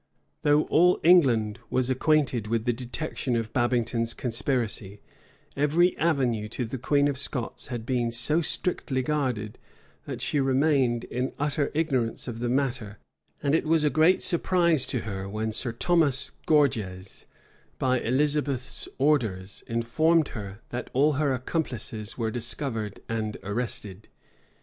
Though all England was acquainted with the detection of Babington's conspiracy, every avenue to the queen of Scots had been so strictly guarded, that she remained in utter ignorance of the matter; and it was a great surprise to her, when Sir Thomas Gorges, by Elizabeth's orders, informed her, that all her accomplices were discovered and arrested.